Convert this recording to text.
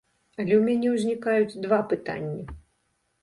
Але ў мяне узнікаюць два пытанні.